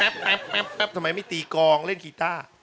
แป๊บทำไมไม่ตีกองเล่นกีต้า